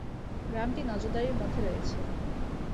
গ্রামটি নজরদারির মধ্যে রয়েছে।